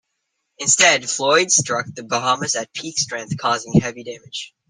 Instead, Floyd struck The Bahamas at peak strength, causing heavy damage.